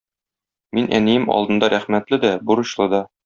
Мин әнием алдында рәхмәтле дә, бурычлы да.